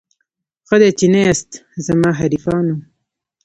ښه دی چي نه یاست زما حریفانو